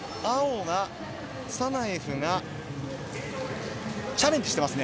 サナエフがチャレンジしています。